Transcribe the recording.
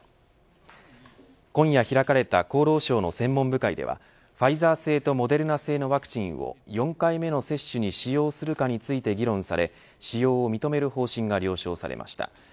今夜開かれた厚労省の専門部会ではファイザー製とモデルナ製のワクチンを４回目の接種に使用するかについて議論され使用を認める方針が了承されました。